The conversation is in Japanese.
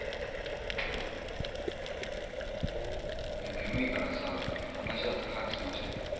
眠いからさー話だったら早く済まして。